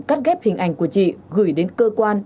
cắt ghép hình ảnh của chị gửi đến cơ quan